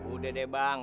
udah deh bang